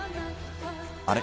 あれ？